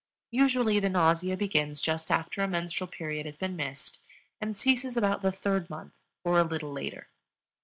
Usually the nausea begins just after a menstrual period has been missed, and ceases about the third month or a little later.